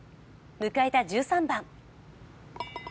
迎えた１３番。